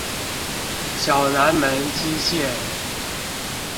小南門支線